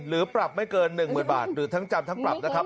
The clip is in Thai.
หรือปรับไม่เกิน๑๐๐๐บาทหรือทั้งจำทั้งปรับนะครับ